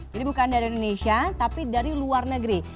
jadi bukan dari indonesia tapi dari luar negeri